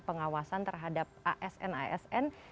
pengawasan terhadap asn asn